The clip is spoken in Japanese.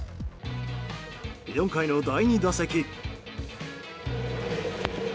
４回の第２打席。